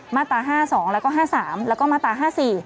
มาตรา๕๒๕๓แล้วก็มาตรา๕๔๕๔